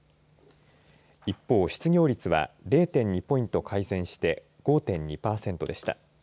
一方、失業率は０．２ポイント改善して５．２パーセントでした。